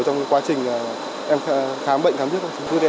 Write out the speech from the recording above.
trong quá trình em khám bệnh khám viết bảo hiểm y tế